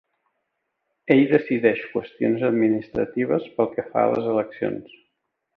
Ell decideix qüestions administratives pel que fa a les eleccions.